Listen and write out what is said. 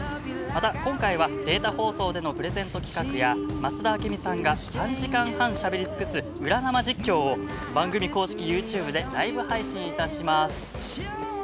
また今回は、データ放送でのプレゼント企画や、増田明美さんが３時間半しゃべりつくす裏生実況を番組公式ユーチューブでライブ配信いたします。